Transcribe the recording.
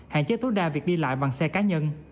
hạn chế tối đa việc đi lại bằng xe cá nhân